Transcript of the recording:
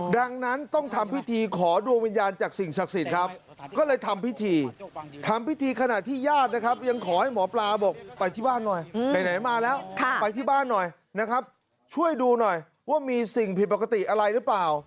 ดังนั้นต้องทำพิธีขอดวงวิญญาณจากสิ่งศักดิ์สิทธิ์ครับก็เลยทำพิธีทำพิธีขณะที่ญาตินะครับยังขอให้หมอปลาบอกไปที่บ้านหน่อยไหนมาแล้วไปที่บ้านหน่อยนะครับช่วยดูหน่อยว่ามีสิ่งผิดปกติอะไรหรือเปล่า